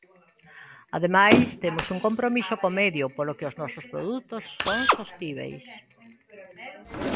Ademais temos un compromiso co medio polo que os nosos produtos son sostíbeis.